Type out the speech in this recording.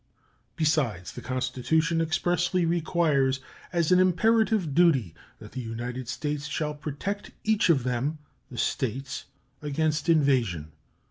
Besides, the Constitution expressly requires as an imperative duty that "the United States shall protect each of them [the States] against invasion."